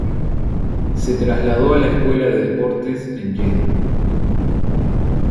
Se trasladó a la escuela de deportes en Jena.